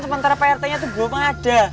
sementara prt nya itu belum ada